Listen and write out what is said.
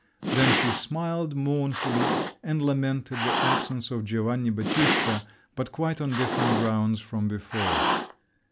Then she smiled mournfully, and lamented the absence of Giovanni Battista, but quite on different grounds from before….